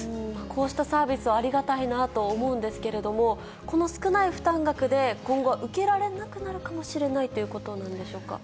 こうしたサービスは、ありがたいなと思うんですけれども、この少ない負担額で今後、受けられなくなるかもしれないということなんでしょうか。